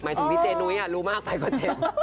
หมายถึงพี่เจนุ้ยรู้มากไปจะเจ็บ